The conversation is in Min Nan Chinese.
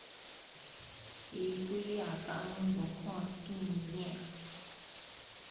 伊幾若工無看見影